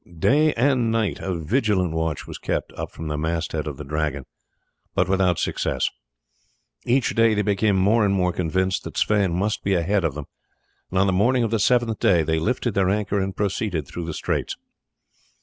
Day and night a vigilant watch was kept up from the mast head of the Dragon, but without success. Each day they became more and more convinced that Sweyn must be ahead of them, and on the morning of the seventh they lifted their anchor and proceeded through the straits.